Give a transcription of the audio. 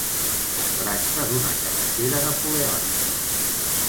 Es tracta d'una calaixera napoleònica.